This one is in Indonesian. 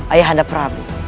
ayah anda prabu